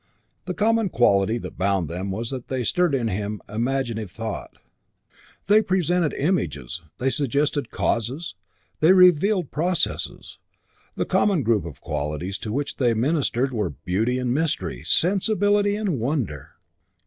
The common quality that bound them was that they stirred in him imaginative thought: they presented images, they suggested causes, they revealed processes; the common group of qualities to which they ministered were beauty and mystery, sensibility and wonder.